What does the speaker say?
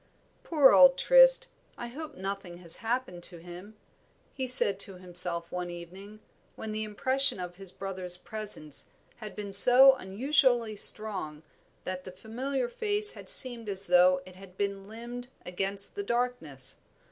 "Poor old Trist, I hope nothing has happened to him," he said to himself one evening, when the impression of his brother's presence had been so unusually strong that the familiar face had seemed as though it had been limned against the darkness.